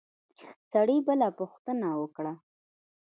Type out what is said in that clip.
سړي بله پوښتنه وکړه.